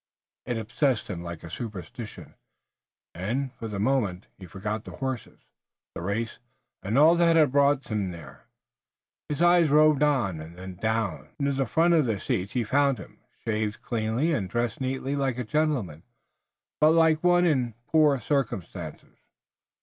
It obsessed him like a superstition, and, for the moment, he forgot the horses, the race, and all that had brought him there. His eye roved on, and then, down, near the front of the seats he found him, shaved cleanly and dressed neatly, like a gentleman, but like one in poor circumstances.